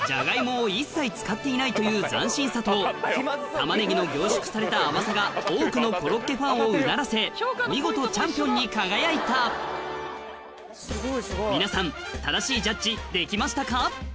玉ねぎが主役の多くのコロッケファンをうならせ見事チャンピオンに輝いた皆さん正しいジャッジできましたか？